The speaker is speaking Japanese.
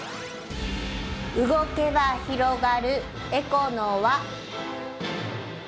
動けば広がるエコの輪。